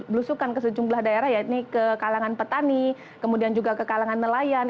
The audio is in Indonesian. blusukan ke sejumlah daerah yaitu ke kalangan petani kemudian juga ke kalangan nelayan